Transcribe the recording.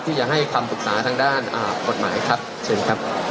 ที่จะให้คำปรึกษาทางด้านกฎหมายครับเชิญครับ